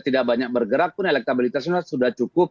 tidak banyak bergerak pun elektabilitasnya